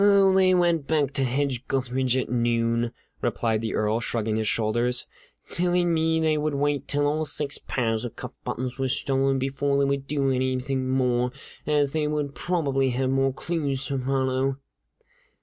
"Oh, they went back to Hedge gutheridge at noon," replied the Earl, shrugging his shoulders, "telling me they would wait till all six pairs of cuff buttons were stolen before they would do anything more, as they would then probably have more clues to follow!"